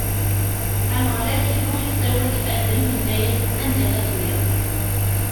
Ameɣlal Illu isawel i Adam, inna-as: Anda akka i telliḍ?